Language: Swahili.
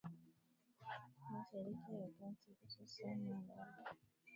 mashariki ya Kati hususan waarabu Aidha husisitiza